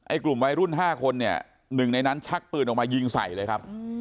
ไอ้กลุ่มวัยรุ่น๕คน๑ในนั้นชักปืนออกมายิงใส่เลยครับ